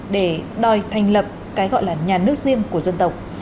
để đòi thành lập cái gọi là nhà nước riêng của dân tộc